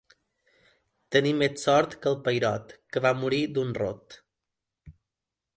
Tenir més sort que el Peirot, que va morir d'un rot.